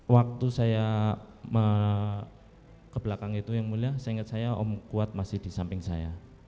waktu saya ke belakang itu yang mulia seingat saya om kuat masih di samping saya